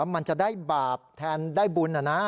มันจะได้บาปแทนได้บุญนะนะ